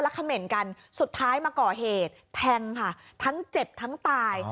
เขม่นกันสุดท้ายมาก่อเหตุแทงค่ะทั้งเจ็บทั้งตาย